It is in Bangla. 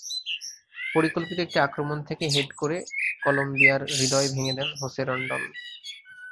পরিকল্পিত একটি আক্রমণ থেকে হেড করে কলম্বিয়ার হৃদয় ভেঙে দেন হোসে রনডন।